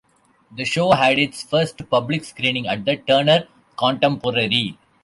The show had its first public screening at the Turner Contemporary.